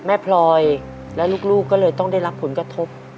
พลอยและลูกก็เลยต้องได้รับผลกระทบ